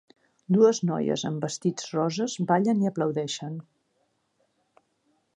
Dues noies amb vestits roses ballen i aplaudeixen.